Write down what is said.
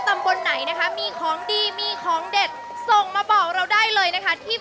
ตำบลไหนนะคะมีของดีมีของเด็ดส่งมาบอกเราได้เลยนะคะที่